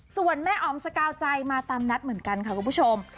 ส่วนแม่อ๋อมสกาวใจมาตามนัดเหมือนกันค่ะคุณผู้ชม